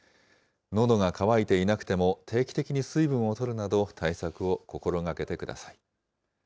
のどが渇いていなくても、定期的に水分をとるなど、対策を心がけてください。